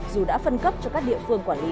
dù đã phân cấp cho các địa phương quản lý